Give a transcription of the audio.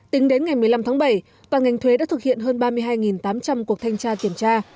tính đến ngày một mươi năm tháng bảy toàn ngành thuế đã thực hiện hơn ba mươi hai tám trăm linh cuộc thanh tra kiểm tra